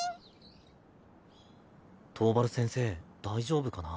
桃原先生大丈夫かな？